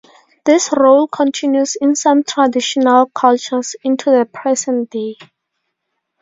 This role continues in some traditional cultures into the present day.